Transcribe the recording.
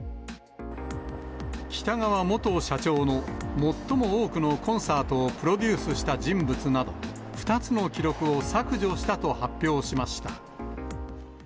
喜多川元社長の最も多くのコンサートをプロデュースした人物など、２つの記録を削除したと発表しました。